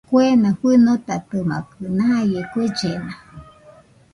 Kuena fɨnotatɨmakɨ naie kuellena